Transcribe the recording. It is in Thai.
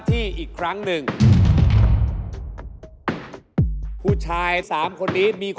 ตอนต่อไป